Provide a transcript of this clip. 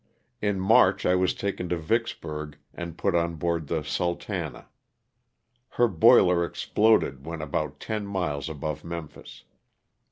In March I was taken to Vicksburg and put on board the ''Sultana." Her boiler exploded when about ten miles above Memphis.